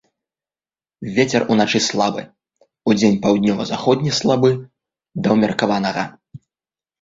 Вецер уначы слабы, удзень паўднёва-заходні слабы да ўмеркаванага.